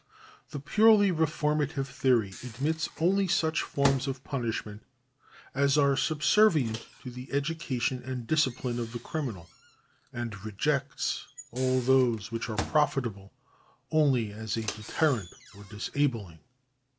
The purely reformative theory admits only such forms of punishment as are subservient to the education and discipline of the criminal, and rejects all those which are profitable only as deterrent or disabling.